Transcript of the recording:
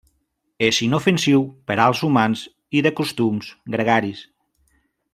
És inofensiu per als humans i de costums gregaris.